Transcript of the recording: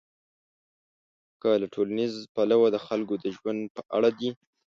که له ټولنیز پلوه د خلکو د ژوند په اړه دي.